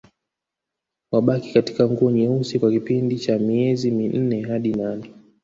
Wabaki katika nguo nyeusi kwa kipindi cha miezi minne hadi nane